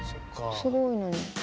すごいのに。